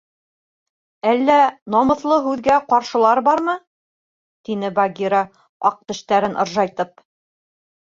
— Әллә намыҫлы һүҙгә ҡаршылар бармы? — тине Багира, аҡ тештәрен ыржайтып.